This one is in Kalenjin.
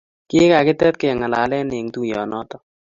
kikakitet kengalale eng tuiyonoto